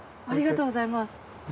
ありがとうございます。